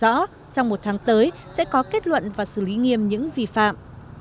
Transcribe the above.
rõ trong một tháng tới sẽ có kết luận và xử lý nghiêm những vi phạm